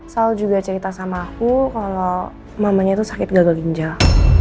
sal juga cerita sama aku kalau mamanya itu sakit gagal ginjal